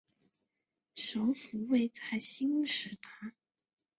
首府位在兴实达。